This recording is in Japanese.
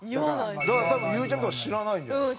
だから多分ゆうちゃみとか知らないんじゃないですか？